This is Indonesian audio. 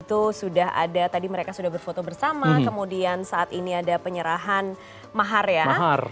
itu sudah ada tadi mereka sudah berfoto bersama kemudian saat ini ada penyerahan mahar ya